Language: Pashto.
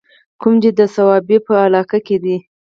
کوم چې د صوابۍ پۀ علاقه کښې دے